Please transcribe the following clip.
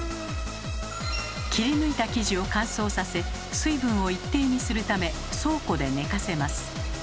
切り抜いた生地を乾燥させ水分を一定にするため倉庫で寝かせます。